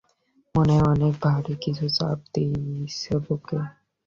মনে হয় অনেক ভাড়ি কিছু চাপ দিচ্ছে বুকে।